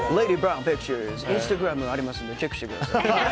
インスタグラムありますのでチェックしてください。